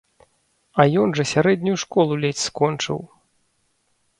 А ён жа сярэднюю школу ледзь скончыў.